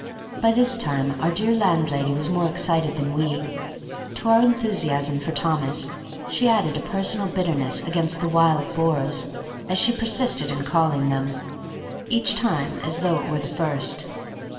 By this time our dear landlady was more excited than we. To our enthusiasm for Thomas she added a personal bitterness against the Wild Boars, as she persisted in calling them, each time as though it were the first.